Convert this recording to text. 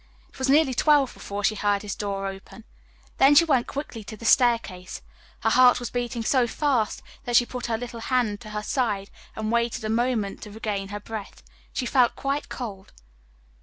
It was nearly twelve before she heard his door open. Then she went quickly to the staircase. Her heart was beating so fast that she put her little hand to her side and waited a moment to regain her breath. She felt quite cold.